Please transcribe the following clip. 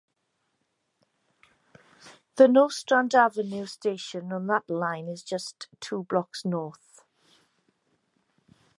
The Nostrand Avenue station on that line is just two blocks north.